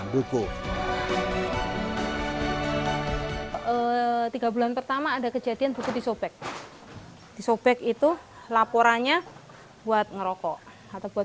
buku tiga bulan pertama ada kejadian buku disobek disobek itu laporannya buat ngerokok atau buat